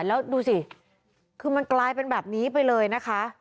แล้วดูสิคือมันกลายเป็นแบบนี้ไปเลยนะคะ